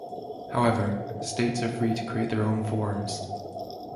However, states are free to create their own forms.